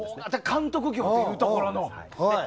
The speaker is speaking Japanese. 監督業というところの。